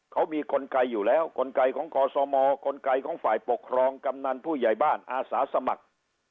เขามีกลไกอยู่แล้วกลไกของกศมกลไกของฝ่ายปกครองกำนันผู้ใหญ่บ้านอาสาสมัคร